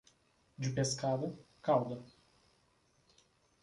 De pescada, cauda.